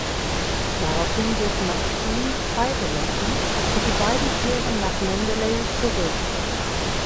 Daraufhin wird Maxime freigelassen und die beiden kehren nach Manderley zurück.